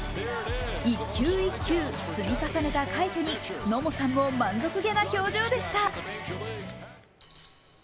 １球１球積み重ねた快挙に野茂さんも満足げな表情でした。